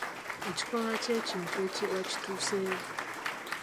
Ekikolwa kye kintu ekiba kituuseewo.